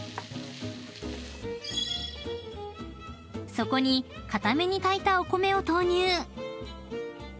［そこに硬めに炊いたお米を投入］